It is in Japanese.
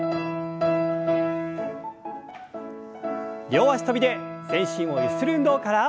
両脚跳びで全身をゆする運動から。